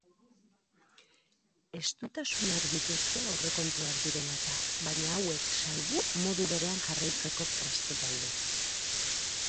Estutasunak dituzte aurrekontuak direla eta baina hauek salbu modu berean jarraitzeko prest daude.